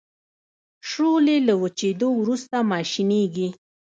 شولې له وچیدو وروسته ماشینیږي.